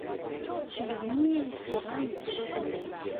Ceyyben-iyi yisuɣan n wegrud-nni.